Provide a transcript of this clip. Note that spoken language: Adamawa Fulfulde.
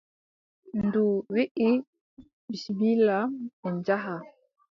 Ndu wiʼi : bisimilla en njaha.